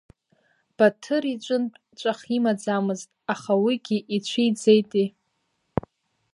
Баҭыр иҿынтә ҵәах имаӡамызт, аха уигьы ицәиӡеитеи.